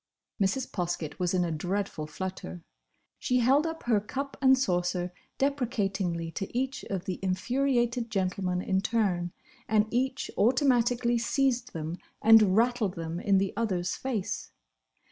Mrs. Poskett was in a dreadful flutter. She held up her cup and saucer deprecatingly to each of the infuriated gentlemen in turn, and each automatically seized them and rattled them in the other's face.